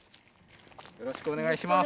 よろしくお願いします。